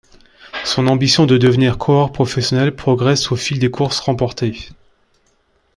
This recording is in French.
Son ambition de devenir coureur professionnel progresse au fil des courses remportées.